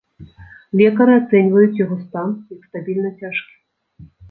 Лекары ацэньваюць яго стан як стабільна цяжкі.